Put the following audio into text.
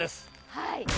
はい。